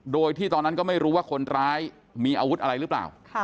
โดยที่ตอนนั้นก็ไม่รู้ว่าคนร้ายมีอาวุธอะไรหรือเปล่า